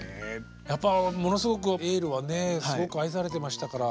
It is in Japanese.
やっぱものすごく「エール」はねすごく愛されてましたから。